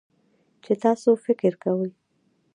چې تاسو فکر کوئ